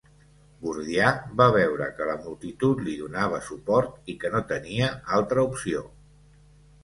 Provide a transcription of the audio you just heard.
Gordià va veure que la multitud li donava suport i que no tenia altra opció.